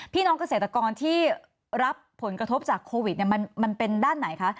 พี่น้องเกษตรกรที่รับผลกระทบจากโควิดมันเป็นด้านไหนคะ